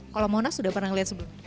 kalau monas sudah pernah melihat sebelumnya